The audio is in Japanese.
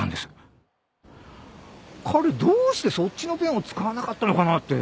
彼どうしてそっちのペンを使わなかったのかなぁって。